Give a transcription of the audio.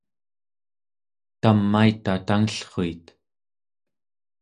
tamaita tangellruit